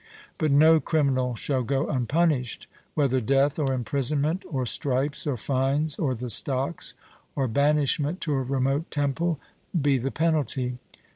But no criminal shall go unpunished: whether death, or imprisonment, or stripes, or fines, or the stocks, or banishment to a remote temple, be the penalty.